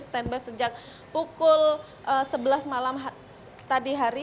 standby sejak pukul sebelas malam tadi hari